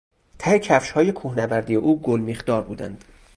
ته کفشهای کوهنوردی او گلمیخدار بودند.